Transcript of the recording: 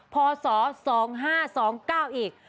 พศ๒๕๒๙อีก